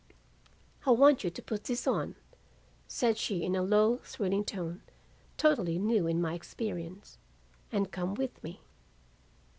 "'I want you to put this on,' said she in a low thrilling tone totally new in my experience, 'and come with me.